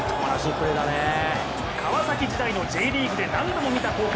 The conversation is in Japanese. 川崎時代のＪリーグで何度も見た光景。